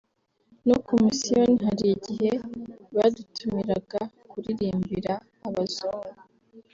no ku misiyoni hari igihe badutumiraga kuririmbira abazungu…”